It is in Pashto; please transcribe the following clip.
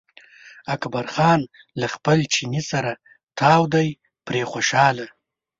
اکبر جان له خپل چیني سره تاو دی پرې خوشاله.